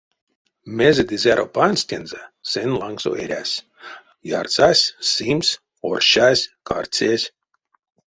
Мезе ды зяро пандсть тензэ, сень лангсо эрясь, ярсась-симсь, оршась-карсесь.